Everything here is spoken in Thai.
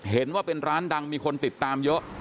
เห็นว่าเป็นร้านดังมีคนติดตามเยอะ